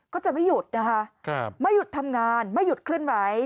ก็จะไม่หยุดนะคะไม่หยุดทำงานไม่หยุดเคลื่อนไหว